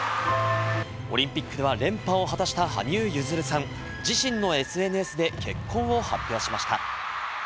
オリンピックでは連覇を果たした羽生結弦さん、自身のＳＮＳで結婚を発表しました。